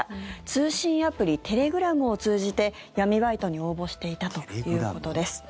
通信アプリ、テレグラムを通じて闇バイトに応募していたということです。